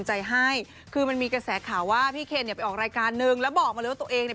เพราะว่าเมื่อวานนี้ไปเจอมาเลยใช่ไหม